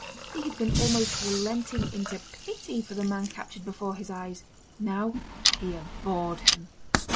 He had been almost relenting into pity for the man captured before his eyes; now he abhorred him.